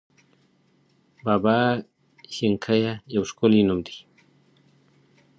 بابا شینکیه یو ښکلی نوم دی.